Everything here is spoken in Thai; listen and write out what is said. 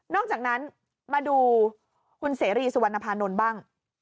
อกจากนั้นมาดูคุณเสรีสุวรรณภานนท์บ้าง